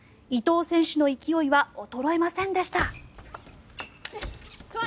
伊藤選手の勢いは衰えませんでした。